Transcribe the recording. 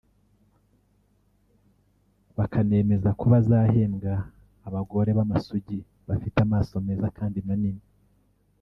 bakanemeza ko bazahembwa abagore b’amasugi bafite amaso meza kandi manini